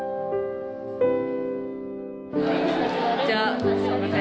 じゃすいません